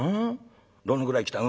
どのぐらい汚い。